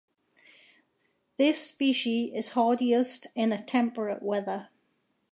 This specie is hardiest in a temperate weather.